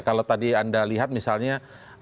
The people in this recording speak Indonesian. kalau tadi anda lihat misalnya